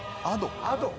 Ａｄｏ？